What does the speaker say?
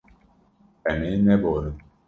Em ê neborin.